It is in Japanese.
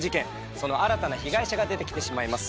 その新たな被害者が出てきてしまいます。